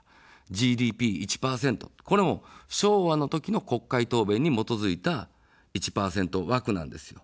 ＧＤＰ１％、これも昭和の時の国会答弁に基づいた１％枠なんですよ。